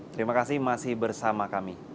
terima kasih masih bersama kami